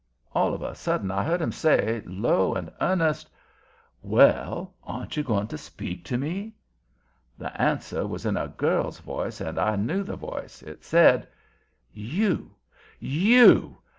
All of a sudden I heard him say, low and earnest: "Well, aren't you going to speak to me?" The answer was in a girl's voice, and I knew the voice. It said: "You! YOU!